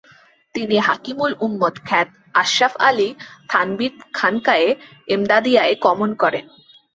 তিনি হাকিমুল উম্মত খ্যাত আশরাফ আলী থানভীর খানকায়ে এমদাদিয়ায় গমন করেন।